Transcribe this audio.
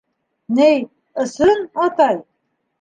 — Ни, ысын, атай.